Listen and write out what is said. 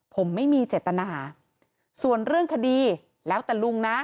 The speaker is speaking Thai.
ผมไม่มีเจตนาส่วนเรื่องคดีแล้วแต่ลุงนะ